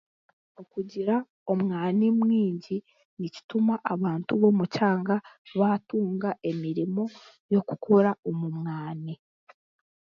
Okugira omwani mwingi nikituma abantu b'omukyanga baatunga emirimo y'okukora omu mwani